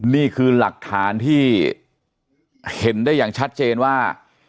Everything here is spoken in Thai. นี่คือหลักฐานที่เห็นได้อย่างชัดเจนว่า